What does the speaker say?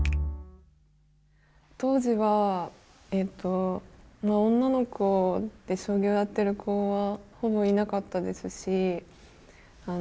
当時は女の子で将棋をやってる子はほぼいなかったですし。